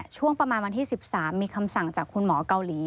ช่วงประมาณวันที่๑๓มีคำสั่งจากคุณหมอเกาหลี